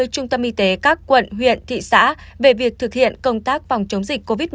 trung tâm y tế các quận huyện thị xã về việc thực hiện công tác phòng chống dịch covid một mươi chín